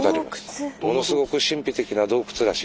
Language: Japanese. ものすごく神秘的な洞窟らしいです。